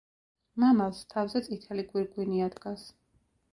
მამალს თავზე წითელი „გვირგვინი“ ადგას.